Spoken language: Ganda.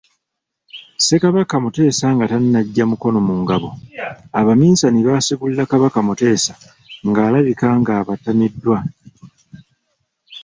Ssekabaka Mutesa nga tannaggya mukono mu ngabo, Abamisani baasegulira Kabaka Mutesa ng'alabika ng'abatamiddwa.